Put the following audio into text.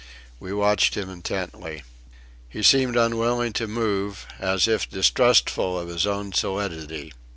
We watched him intently. He seemed unwilling to move, as if distrustful of his own solidity.